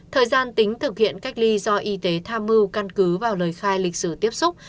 thời gian tính thực hiện cách ly do y tế tham mưu căn cứ vào lời khai lịch sử tiếp xúc